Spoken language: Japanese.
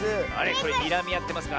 これにらみあってますか？